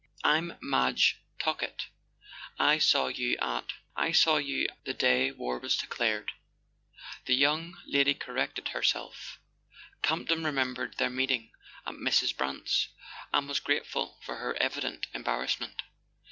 "I'm Madge Talkett—I saw you at—I saw you the day war was declared," the young lady corrected her¬ self. Camp ton remembered their meeting at Mrs. Brant's, and was grateful for her evident embarrass¬ ment.